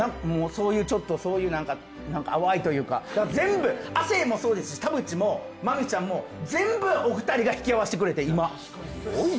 そういう淡いというか、全部、亜生もそうですし、田渕も、まみちゃんも全部お二人が引き合わせてくれて、今。